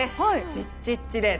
チッチッチです。